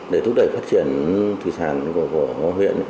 để thúc đẩy phát triển thủy sản của huyện